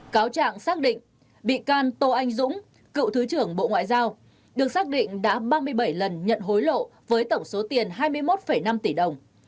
cáo trạng xác định bị can tô anh dũng cựu thứ trưởng bộ ngoại giao được xác định đã ba mươi bảy lần nhận hối lộ với tổng số tiền hai mươi một năm tỷ đồng